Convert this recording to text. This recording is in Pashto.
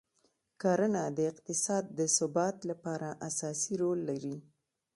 کرنه د اقتصاد د ثبات لپاره اساسي رول لري.